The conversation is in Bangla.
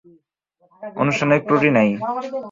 অনুষ্ঠানের ত্রুটি নাই।